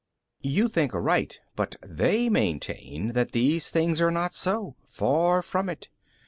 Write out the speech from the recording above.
B. You think aright, but they maintain that these things are not so, far from it.